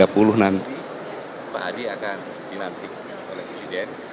pak hadi akan dilantik oleh presiden